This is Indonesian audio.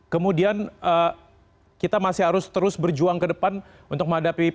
kemudian kita masih harus terus berjuang ke depan untuk menghadapi